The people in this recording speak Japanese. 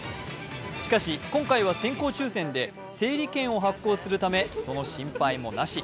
しかし今回は先行抽選で整理券を発行するためその心配もなし。